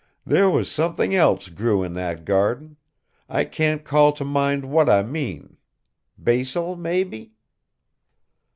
There was something else grew in that garden I can't call to mind what I mean. Basil, maybe?"